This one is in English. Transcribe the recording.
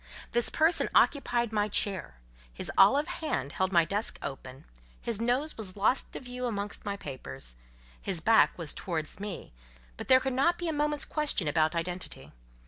This person occupied my chair; his olive hand held my desk open, his nose was lost to view amongst my papers. His back was towards me, but there could not be a moment's question about identity.